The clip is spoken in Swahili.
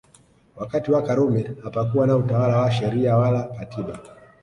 Wakati wa Karume hapakuwa na utawala wa Sheria wala Katiba